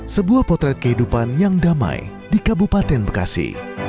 sebuah potret kehidupan yang damai di kabupaten bekasi